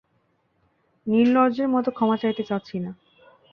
নির্লজ্জের মতো ক্ষমা চাইতে চাচ্ছি না।